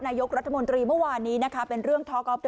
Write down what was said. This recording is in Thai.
นายกรัฐมนตรีเมื่อวานนี้นะคะเป็นเรื่องท้อกป